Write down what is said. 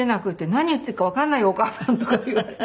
「何言ってるかわかんないよお母さん」とかって言われて。